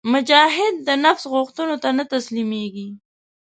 مجاهد د نفس غوښتنو ته نه تسلیمیږي.